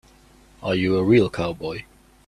Are you a real cowboy?